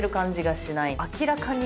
明らかに。